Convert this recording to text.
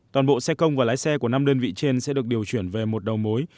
toàn bộ xe công và lái xe của năm đơn vị trên sẽ được điều chuyển về một đầu mối